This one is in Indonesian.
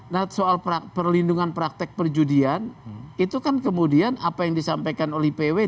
nah soal perlindungan praktek perjudian itu kan kemudian apa yang disampaikan oleh ipw